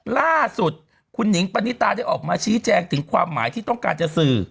ล่าสุดคุณหนิงปณิตาได้ออกมาชี้แจงถึงความหมายที่ต้องการจะสื่อ